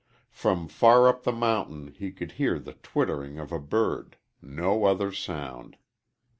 From far up the mountain he could hear the twittering of a bird no other sound.